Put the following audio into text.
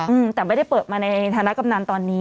อืมแต่ไม่ได้เปิดมาในฐานะกำนันตอนนี้